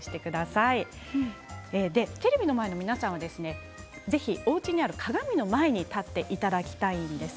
テレビの前の皆さんはぜひ、おうちにある鏡の前に立っていただきたいです。